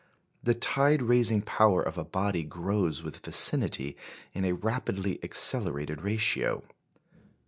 The tide raising power of a body grows with vicinity in a rapidly accelerated ratio.